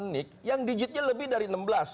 nik yang digitnya lebih dari enam belas